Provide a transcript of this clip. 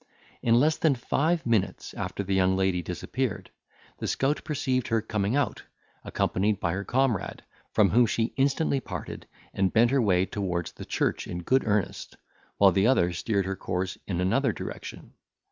In less than five minutes after the young lady disappeared, the scout perceived her coming out, accompanied by her comrade, from whom she instantly parted, and bent her way towards the church in good earnest, while the other steered her course in another direction.